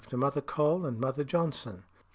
To Mother Cole and Mother Johnson, xiid.